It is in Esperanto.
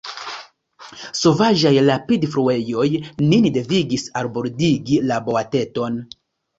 Sovaĝaj rapidfluejoj nin devigis albordigi la boateton.